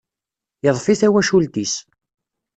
Iḍfi tawacult-is.